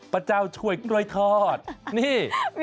พระเจ้าช่วยกล้วยทอดนี่